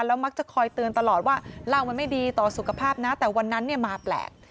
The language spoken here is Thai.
มักจะคอยเตือนตลอดว่าเหล้ามันไม่ดีต่อสุขภาพนะแต่วันนั้นเนี่ยมาแปลก